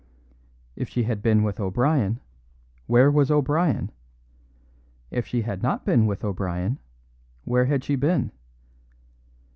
If she had been with O'Brien, where was O'Brien! If she had not been with O'Brien, where had she been?